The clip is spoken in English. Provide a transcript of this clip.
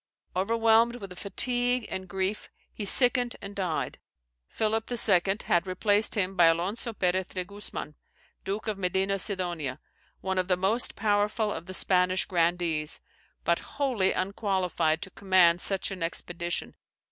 Overwhelmed with fatigue and grief, he sickened and died. Philip II. had replaced him by Alonzo Perez de Gusman, Duke of Medina Sidonia, one of the most powerful of the Spanish grandees, but wholly unqualified to command such an expedition.